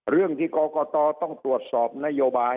เรื่องที่กรกตต้องตรวจสอบนโยบาย